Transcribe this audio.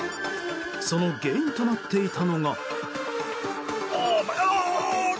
その原因となっていたのが。